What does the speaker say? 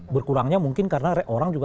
berkurangnya mungkin karena orang juga